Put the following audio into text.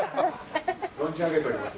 存じ上げております。